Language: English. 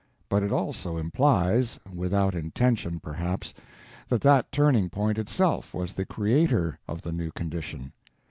But it also implies—without intention, perhaps—that that turning point _itself _was the creator of the new condition.